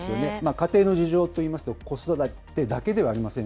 家庭の事情といいますと、子育てだけではありません。